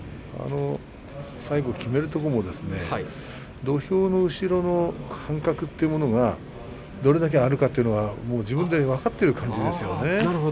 最後、決めるところも土俵の後ろの間隔というものがどれだけあるかということが自分で分かっている感じですよね。